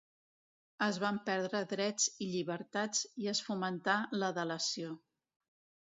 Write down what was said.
Es van perdre drets i llibertats i es fomentà la delació.